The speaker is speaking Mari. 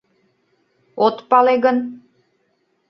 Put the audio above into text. — От пале гын?